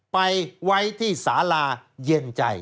ไปไว้ที่สาลาเย็นใจ